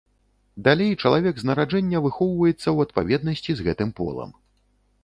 Далей чалавек з нараджэння выхоўваецца ў адпаведнасці з гэтым полам.